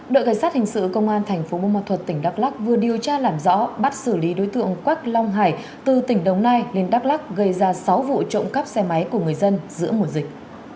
đội cảnh sát hình sự công an thành phố bùa ma thuật tỉnh đắk lắc vừa điều tra làm rõ bắt xử lý đối tượng quách long hải từ tỉnh đồng nai lên đắk lắc gây ra sáu vụ trộm cắp xe máy của người dân giữa mùa dịch